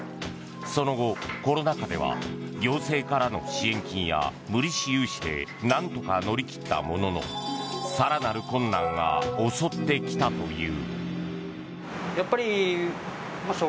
その後、コロナ禍では行政からの支援金や無利子融資でなんとか乗り切ったものの更なる困難が襲ってきたという。